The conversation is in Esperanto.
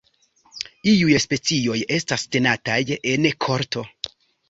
Iuj specioj estas tenataj en korto.